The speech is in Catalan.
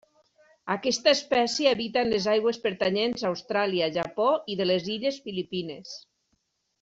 Aquesta espècie habita en les aigües pertanyents a Austràlia, Japó i de les Illes Filipines.